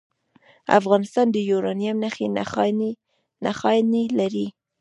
افغانستان د یورانیم نښې نښانې لري